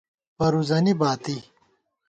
پرُزَنی باتی